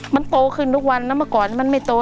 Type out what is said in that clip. มันโตขึ้นทุกวันนะเมื่อก่อนมันไม่โต